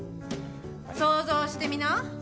想像してみな！